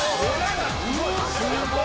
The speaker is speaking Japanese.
「すごい！」